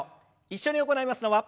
一緒に行いますのは。